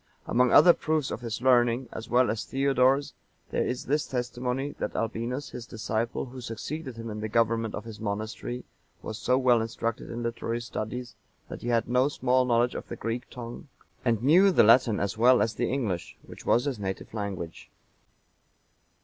Among other proofs of his learning, as well as Theodore's, there is this testimony, that Albinus,(941) his disciple, who succeeded him in the government of his monastery, was so well instructed in literary studies, that he had no small knowledge of the Greek tongue, and knew the Latin as well as the English, which was his native language.